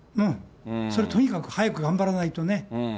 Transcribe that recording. それとにかく早く頑張らないとね。